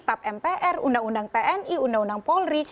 tap mpr undang undang tni undang undang polri